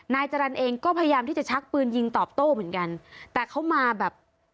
นายจรรย์เองก็พยายามที่จะชักปืนยิงตอบโต้เหมือนกันแต่เขามาแบบ